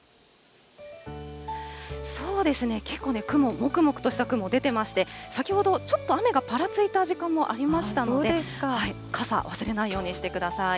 そうですね、結構ね、雲、もくもくとした雲出てまして、先ほど、ちょっと雨がぱらついた時間もありましたので、傘、忘れないようにしてください。